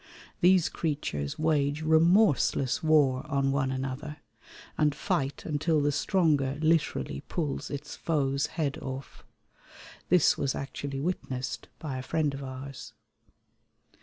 These creatures wage remorseless war on one another, and fight until the stronger literally pulls its foe's head off. This was actually witnessed by a friend of ours.